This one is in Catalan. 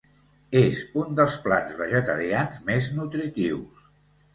És un dels plats vegetarians més nutritius.